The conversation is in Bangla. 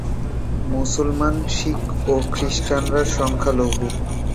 মুসলমান, শিখ ও খ্রিস্টানরা সংখ্যালঘু।